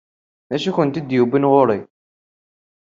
D acu i kent-yewwin ɣer ɣur-i?